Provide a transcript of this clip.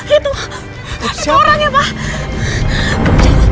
itu orang ya pak